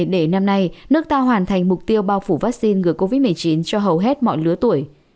để năm nay nước ta hoàn thành mục tiêu bao phủ vaccine ngừa covid một mươi chín cho hầu hết mọi lứa tuổi